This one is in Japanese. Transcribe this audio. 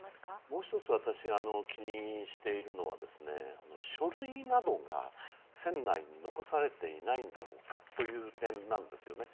もう１つ私が気にしているのは書類などが船内に残されていないんだろうかという点なんです。